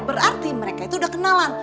berarti mereka itu udah kenalan